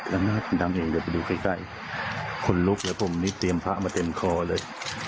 แล้วหน้าคนดังเองเดี๋ยวไปดูใกล้ใกล้คนลุกเลยผมนี่เตรียมพระมาเต็มคอเลย